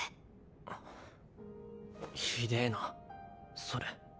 あっひでぇなそれ。